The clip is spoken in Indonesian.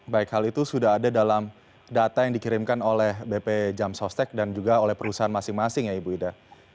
baik hal itu sudah ada dalam data yang dikirimkan oleh bp jam sostek dan juga oleh perusahaan masing masing ya ibu ida